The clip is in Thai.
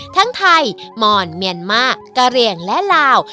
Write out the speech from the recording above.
ทั้งไทยมอนเมียนมากกะเหลี่ยงและลาว